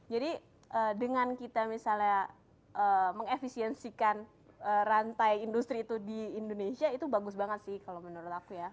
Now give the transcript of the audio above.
jadi dengan kita misalnya mengefisiensikan rantai industri itu di indonesia itu bagus banget sih kalau menurut aku ya